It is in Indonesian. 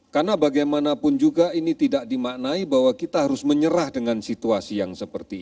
karena bagaimanapun juga ini tidak dimaknai bahwa kita harus menyerah dengan situasi yang seperti ini